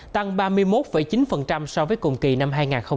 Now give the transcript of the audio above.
tăng ba mươi một chín so với cùng kỳ năm hai nghìn hai mươi một